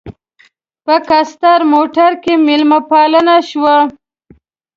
په کاسټر موټر کې مېلمه پالنه شوه.